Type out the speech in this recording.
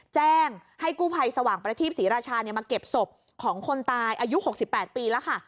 แจ้งให้กู้ภัยสว่างประทีปศรีราชามาเก็บศพของคนตายอายุ๖๘ปีแล้วค่ะ